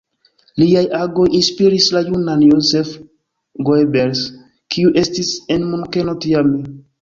Liaj agoj inspiris la junan Joseph Goebbels, kiu estis en Munkeno tiame.